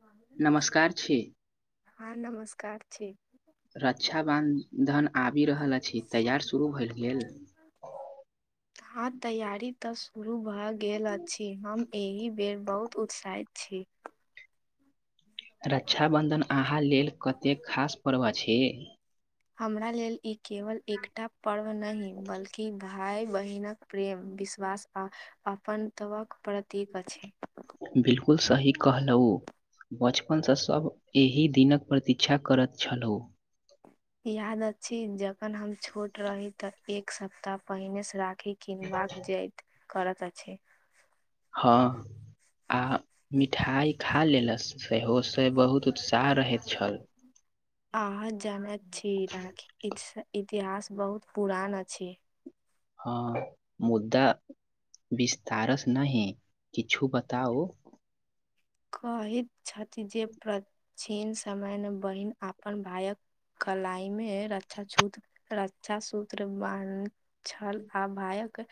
[unintelligible] नमस्कार छी आ नमस्कार छी। रक्षाबं धन आबि रहल अछि, तैयार शुरू भएल गेल। हँ तैयारी त शुरू भऽ गेल अछि, हम एहि बेर बहुत उत्साहित छी। रक्षाबन्धन अहाँ लेल कते खास पर्व अछि। हमरा लेल ई केवल एकटा पर्व नहि बल्कि भा भाई बहिनक प्रेम विश्वास आ अपनतवक प्रतीक अछि। कुल सही कहलऊ। बचपनसँ सब एहि दिनक प्रतीक्षा करत छलौऊ। याद अछि, जखन हम छोट रही त एक सप्ताह पहिने से राखीक किनबाक जैइत करत अछि। हँ आ मिठाई खा लेलस सेहो से बहुत उत्साह रहैत छल। अहाँ जानैत छी राखी इतस इतिहास बहुत पुरान अछि। हँ मुद्दा विस्तारस नहि किछु बताउ। कहैत छथि जे, प्राचीन समयमे बहिन अपन भायक कलाई मे रक्षा छूत्र -रक्षा सूत्र बान्ह छल आ भायक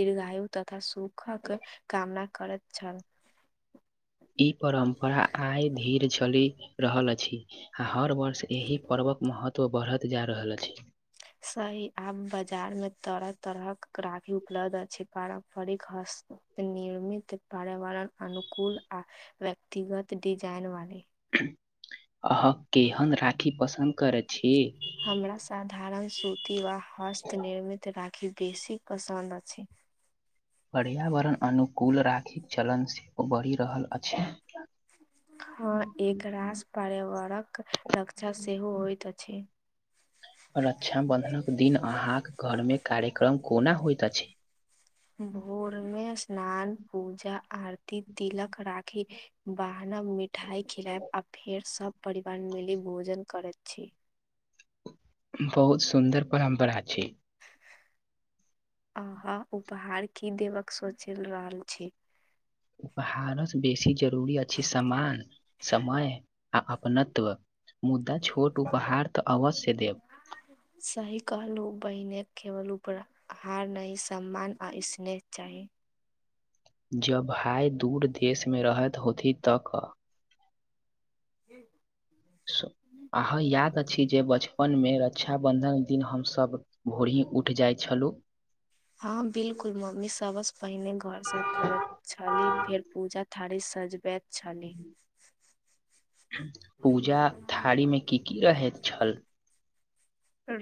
दीर्घायु तथा सुखक कामना करैत छल। इ परम्परा आई धीर छ लि रहल अछि आओ हर वर्ष एहि पर्वक महत्व बढ़त जा रहल अछि। सही आब बाजार मे तरह तरहक राखी उपलब्ध अछि पारम्परिक हस्त नियमित पार्यावरण अनुकूल आ व्यक्तिगत डिजाइन वाले। अहाँ केहन राखी पसन्द करै छी? हमरा साधारण सूती वा हस्त निर्मित राखी बेसी पसन्द अछि। पर्यावरण अनुकूल राखिक चलन सेहो बढ़ि रहल अछि। हँ एक रास पर्यवारक रक्षा सेहो होइत अछि। रक्षाबन्धनक दिन अहाँक घरमे कार्यक्रम कोना होइत अछि? भोर मे स्नान पूजा आरती तिलक राखी बहानब मिठाई खिलायब आ फेर सब परिवार मिली भोजन करैत छी। बहुत सुन्दर परम्परा छै। अहा उपहार की देबक सोचल रहल छी? उपहारसँ बेसी जरूरी अछि सम्मान, समय आ अपनत्व। मुदा छोट उपहार तऽ अवश्य देब। सही कहलहु बहिने केवल उपरा हार नइ, सम्मान आ स्नेह चाही। जब भाय दूर देशमे रहैत होती तऽ क [inaudible] सु अहाँ याद अछि जे बचपनमे रक्षाबन्धन दिन हमसभ भोरही उठि जाइ छलहुँ। हँ बिलकुल मम्मी सबस पहिने घर साफ करत छली फेर पूजा थारी सजबैत छली। पूजा थारी मे की- की रहैत छल?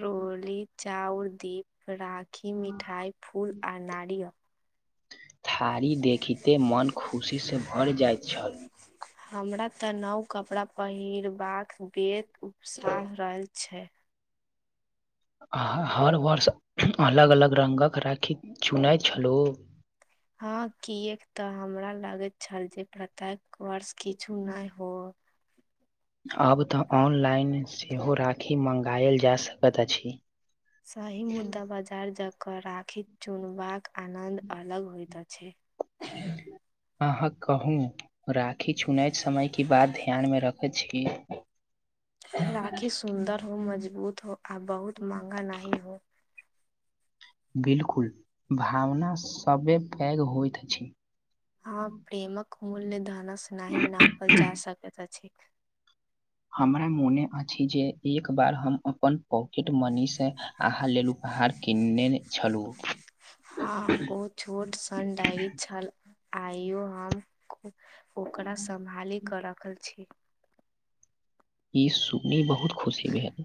रोली, चाउर, दीप, राखी, मिठाइ, फूल आर नारियल। थारी देखिते मोन खुशीसँ भरि जाइत छल। हमरा तऽ नव कपड़ा पहिरबाक बेस उत्साह रहल छै। अहाँ हर वर्ष अलग-अलग रंगक राखी चुनैत छलहुँ। ह किएक ते हमरा लागे छल जे प्रत्येक वर्ष किछु नहि होत। आब तऽ ऑनलाइन सेहो राखी मंगायल जा सकैत अछि। सही मुद्दा बाजार जकऽ राखी चुनबाक आनन्द अलग होइत अछि। अहां कहू राखी चुनैत समय की बात ध्यान मे रख छीलेये। राखी सुन्दर हो, मजबूत हो, आ बहुत महंगा नहि हो। बिलकुल भावना सबे पैग होइत अछि। हाँ प्रेमक मूल्य धनस नहि नापल जा सक त अछि। हमरा मोने अछि जे एक बार हम अपन पॉकेट मनीसँ अहाँ लेल उपहार किनने छलहुँ। हँ ओ छोट सन डायरी छल आइयो हम ओकरा सम्भाली कऽ रखल छी। ई सुननी बहुत खुशी भेल।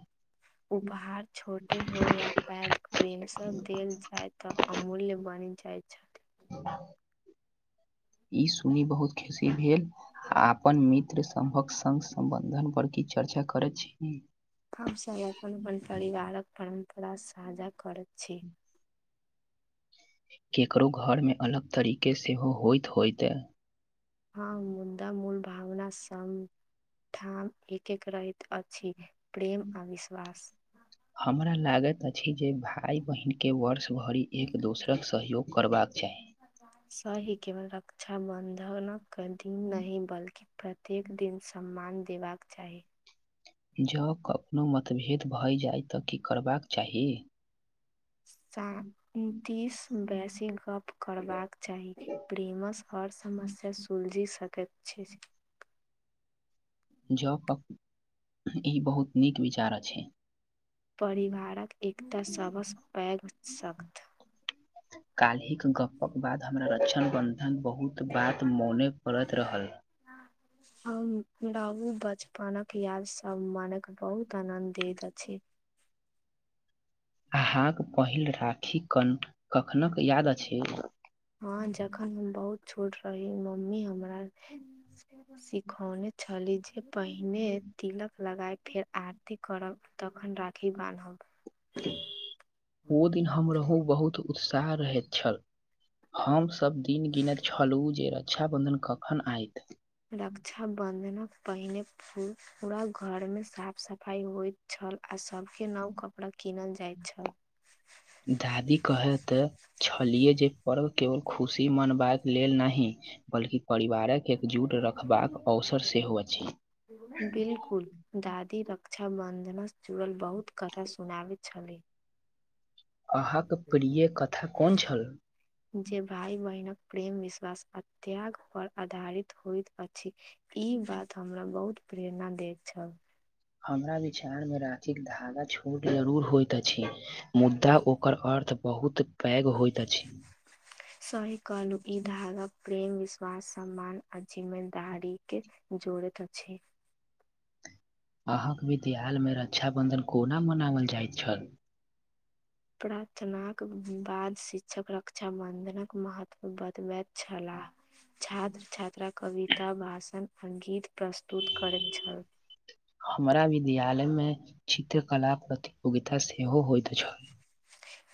उपहार छोटे हो या पैघ प्रेम से देल जाय त अमूल्य बानि जाइ छल। ई सुनी बहुत खुसी भेल। अपन मित्र सभक संग सम्बंधन पर की चर्चा। करैत छी? हमसब अपन अपन परिवारक परम्परा साझा करत छी। केकरो घरमे अलग तरीके सेहो होइत होइते। हँ मुद्दा मूल भावना सम। ठाम एक एक रहैत अछी प्रेम आ विश्वास। हमरा लागैत अछी जे भाइ बहिन के वर्ष भरी एक दोसरक सहयोग करबाक चाही। सही केबल रक्षाबन्धनक दिन नहीं बल्कि प्रत्येक दिन सम्मान देबाक चाही। जं कखनो मतभेद भए जाइ त की करबाक चाही? सा उनतीस बैसी गप। करबाक चाही। प्रेम स हर समस्या सुलझी सकैत छै। जं गप [inaudible] ई बहुत नीक विचार अछी। परिवारक एकटा सब सं पैग सक्त। [inaudible] काल्हिक गपक बाद हमरा रक्षण बन्धन बहुत बात मोने परैत रहल। [inaudible] हमरा उ बचपनक याद सब मानक बहुत आनंद दैत अछी अहाँक पहिल राखी कन कखनक याद अछी। हँ जख न हम बहुत छोट रही, मम्मी हमरा स सिखौने छली जे पहिने तिलक लगाइब, फेर आरती करब तखन राखी बान्हब। ओ दिन हमरहु बहुत उत्साह रहैत छल। हमसब दिन गिनैत छलुं जे रक्षाबन्धन कखन आइत। रक्षा बंधनक पहिने पू पूरा घर मे साफ सफाई होइत छल आ सबके नब कपड़ा कीनल जाइत छल। दादी कहै त छलियै जे पर्व केवल खुशी मनबाक लेल नही बल्कि परिवारक एकजूट रखबाक अवसर सेहो अछि। बिल्कुल, दादी रक्षाबंधनस जुरल बहुत कथा सुनाबैत छली। अहाँके प्रिय कथा कौन छल? जे भाइ बहिनक प्रेम विश्वास आ त्याग पर आधारित होइत अछी। ई बात हमरा बहुत प्रेरणा दैत छल। हमरा विचारमे राखिक धागा छोट जरूर होइत अछी मुद्दा ओकर अर्थ बहुत पैघ होइत अछी। सही कहलौं ई धागा प्रेम, विश्वास आ मान आ जिम्मेदारीके जोड़ैत अछी। अहाँक विद्याल में रक्षाबंधन कोना मनाबल जाइत छल? प्रार्थनाक बाद शिक्षक रक्षाबंधनक महत्व बतबैत छला। छात्र छात्रा कविता, भाषण आ गीत प्रस्तुत करैत छल। हमरा विद्यालयमे चित्रकला प्रतियोगिता सेहो होइत छल।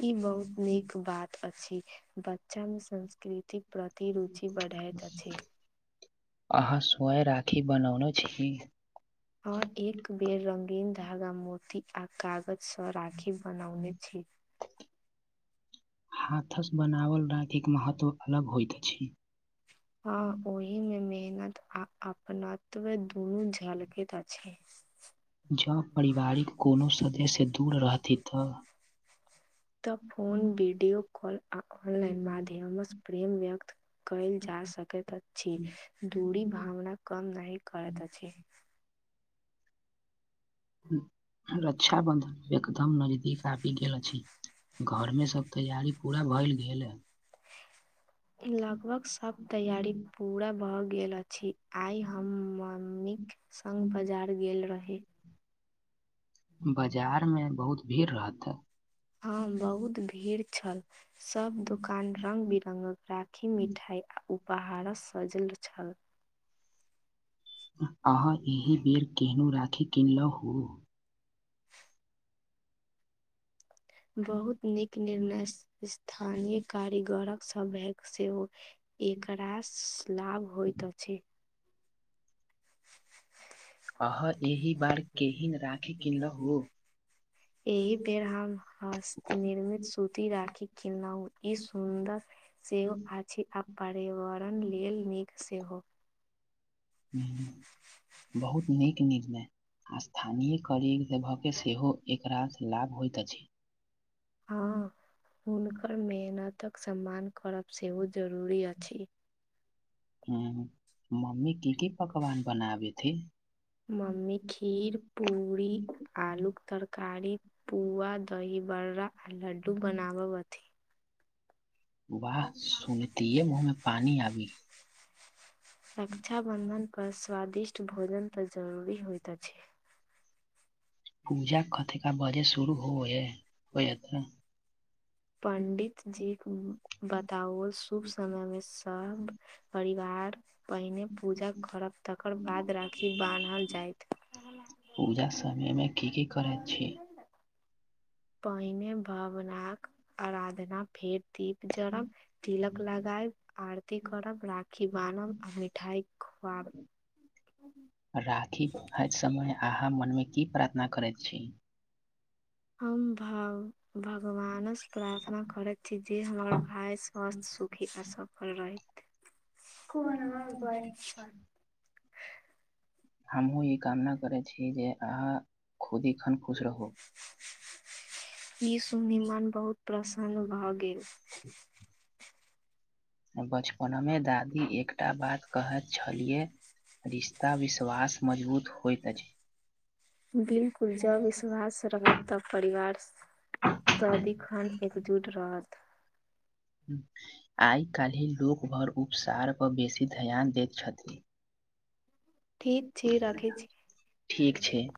ई बहुत नीक बात अछी, ब चन्द संस्कृतिक प्रति रुचि बढ़ैत अछी। अहाँ स्वय राखी बनौने छी? हं एक बेर रंगीन धागा, मोती आ कागज सं राखी बनौने छी। हाथक बनावल राखिक महत्व अलग होइत अछि। हॅं ओहि मे मेहनत आ अपना तबे दुनू झलकैत अछि। जँ परिवारिक कोनो सदस्य दूर रहथि तऽ तऽ फोन वीडियो कॉल आ ऑनलाइन माध्यम सँ प्रेम व्यक्त कयल जा सकैत अछि। दूरी भावना कम नहीं करैत अछि। रक्षा बन्धन एकदम नजदीक आबी गेल अछि। घरमे सब तैयारी पूरा भएल गेल ए। लगभग सब तैयारी पूरा भ गेल अछि। आइ हम मम्मीक संग बाजार गेल रही। बजार मे बहुत भीड़ रहतेऽ। हॅं बहुत भीड़ छल सब दुकान रंग बिरंगक राखी मिठाइ आ उपहार स सजल छल। अहाँ एहि बेर केहनु राखी किनलहुँ? बहुत नीक निर्णय स्थानीक कारीगरक सभेक सेहो एकरास लाभ होइत अछि। अहाँ एहि बार केहेन राखी किनलहु? एहि बेर हम हस्त निर्मित सूती राखी किनलहु। इ सुन्दर सेहो अछि आ पर्यावरण लेल नीक सेहो, बहुत नीक निर्णय। स्थानीय करीब लेभके सेहो एकरास लाभ होइत अछि। हॅं हुनकर मेहनतक सम्मान करब सेहो जरूरी अछि। हुं मम्मी की की पकवान बनाबैत ऐय? मम्मी खीर, पूरी, आलूक तरकारी पुआ दहीबड़ा लड्डू बनाब वाह सुनतिये मुँह में पानी आबी गेल। रक्षाबंधन पर स्वादिष्ट भोजन तऽ जरूरी होइत अछि। पूजा कते क बजे शुरू होय होयत ने? पंडित जीक बताओल शुभ समय मे सब परिवार पहिने पूजा करब तकर बाद राखी बान्हल जाइत। पूजा समय मे की -की करै छी? पहिने भावनाक आराधना फेर दीप जरब तिलक लगायब आरती करब राखी बान्हब आ मिठाई खुआब। राखी बनहैत समय आहाँ मनमे की प्रार्थना करैत छी? हम भाव भगवानस प्रार्थना करैत छी जे हमर भाय स्वस्थ सुखी आ सफल रहथि। कोन [unintelligible] हमहुं ई कामना करै छी जे आहाँ खुद इ खन खुश रहू। इ सुनी मन बहुत प्रसन्न भऽ गेल। बचपन मे दादी एकटा बात कहैत छलियै। रिश्ता विश्वास मजबूत होइत अछि। बिल्कुल जऽ विश्वास रहत तब परिवार सदीखन एकजुट रहत। ह आय काल्हि लोक भर उपसार पर बेसी ध्यान दैत छथिन। ठीक छैय राखै छी। ठीक छैय।